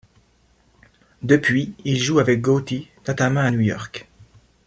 Depuis, il joue avec Gotti, notamment à New York.